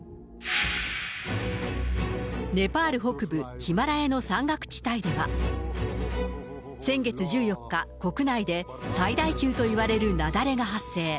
ネパール北部ヒマラヤの山岳地帯では、先月１４日、国内で最大級といわれる雪崩が発生。